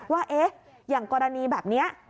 ว่าอย่างกรณีแบบนี้